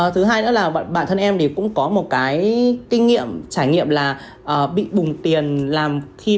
thứ hai nữa là bản thân em cũng có một cái kinh nghiệm trải nghiệm là bị bùng tiền làm công việc